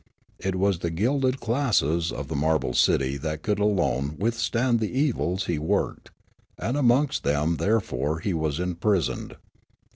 It was the gilded classes of the marble city that could alone withstand the evils he worked, and amongst them therefore was he imprisoned.